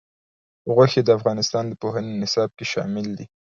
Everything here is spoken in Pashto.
غوښې د افغانستان د پوهنې نصاب کې شامل دي.